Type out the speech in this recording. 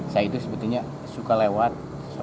saya itu sebetulnya suka lewat